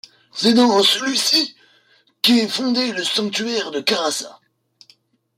C'est dans celui-ci qu'est fondé le sanctuaire de Caraça.